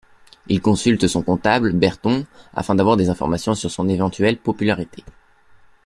Il consulte son comptable, Berton, afin d'avoir des informations sur son éventuelle popularité.